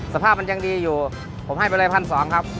สภาพมันยังดีอยู่ผมให้ไปเลย๑๒๐๐ครับ